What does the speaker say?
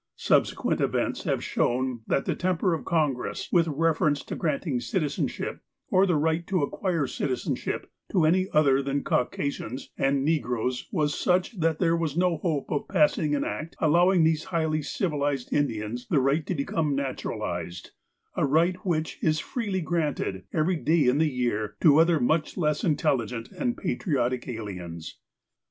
Subsequent events have shown that the temx)er of Con gress, with reference to granting citizenship, or the right to acquire citizeushij) to any other than Caucasians and negroes, was such, that there was no hope of passing an Act allowing these highly civilized Indians the right to become naturalized, a right which is freely granted, every day in the year, to other much less intelligent and patriotic aliens.